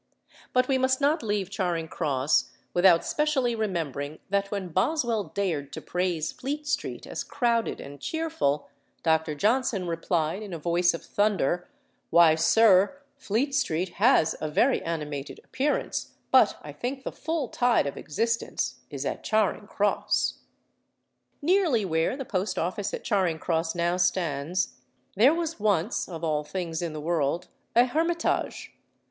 But we must not leave Charing Cross without specially remembering that when Boswell dared to praise Fleet Street as crowded and cheerful, Dr. Johnson replied in a voice of thunder, "Why, sir, Fleet Street has a very animated appearance; but I think the full tide of existence is at Charing Cross." Nearly where the Post Office at Charing Cross now stands, there was once (of all things in the world) a hermitage.